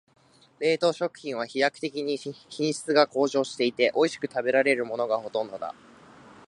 冷凍食品は飛躍的に品質が向上していて、おいしく食べられるものがほとんどだ。